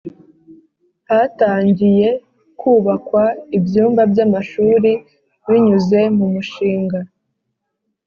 Hatangiye kubakwa ibyumba by amashuri binyuze mu mushinga